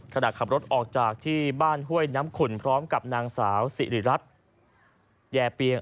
ขณะขับรถออกจากที่บ้านห้วยน้ำขุ่นพร้อมกับนางสาวสิริรัตน์แย่เปียง